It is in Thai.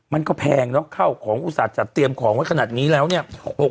มันก็แพงเนอะเข้าของอุตส่าห์จัดเตรียมของไว้ขนาดนี้แล้วเนี่ย